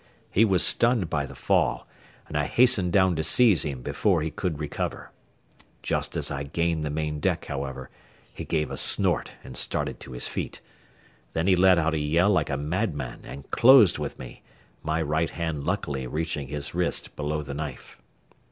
He was stunned by the fall, and I hastened down to seize him before he could recover. Just as I gained the main deck, however, he gave a snort and started to his feet. Then he let out a yell like a madman and closed with me, my right hand luckily reaching his wrist below the knife.